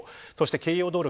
京葉道路